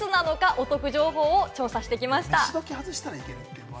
お得情報を調査してきました。